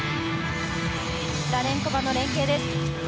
ラレンコバの連係。